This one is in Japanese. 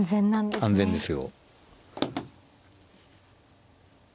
安全ですよ。